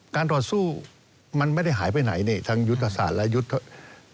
การต่อสู้มันไม่ได้หายไปไหนทั้งยุทธศาสตร์และยุทธศาสตร์